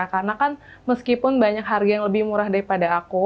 karena kan meskipun banyak harga yang lebih murah daripada aku